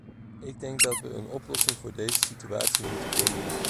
Ik denk dat we een oplossing voor deze situatie moeten vinden.